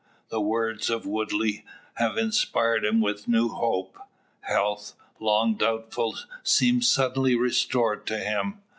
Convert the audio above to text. The words of Woodley have inspired him with new hope. Health, long doubtful, seems suddenly restored to him.